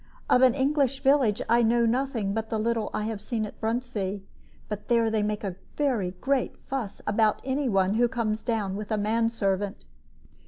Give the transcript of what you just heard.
Of an English village I know nothing but the little I have seen at Bruntsea, but there they make a very great fuss about any one who comes down with a man servant."